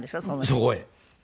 そこへ。